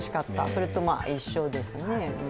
それと一緒ですね。